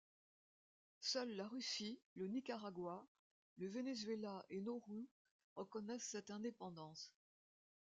Seule la Russie, le Nicaragua, le Venezuela et Nauru reconnaissent cette indépendance.